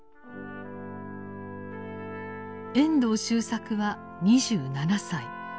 遠藤周作は２７歳。